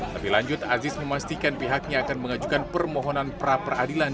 lebih lanjut aziz memastikan pihaknya akan mengajukan permohonan pra peradilan